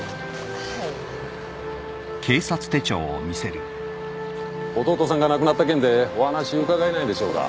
はい弟さんが亡くなった件でお話伺えないでしょうか？